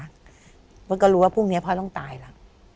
แล้วก็รู้ว่าพรุ่งนี้พ่อต้องตายแล้ว